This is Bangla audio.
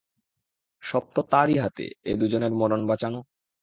সব তো তারই হাতে, এ দুজনের মরণ বাচানো।